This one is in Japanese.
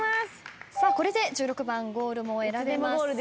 これで１６番ゴールも選べます。